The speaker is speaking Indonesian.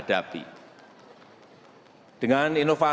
karena orang orang bukan opera